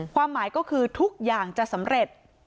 ความหมายก็คือทุกอย่างจะสำเร็จ